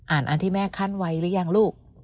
อันที่แม่ขั้นไว้หรือยังลูก